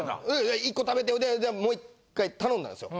１個食べてもう一回頼んだんですよ。